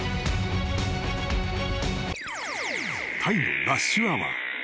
［タイのラッシュアワー］